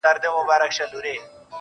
اختر نژدې دی_